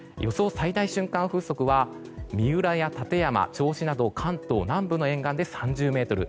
最大瞬間風速は三浦や館山、銚子など関東南部の沿岸で３０メートル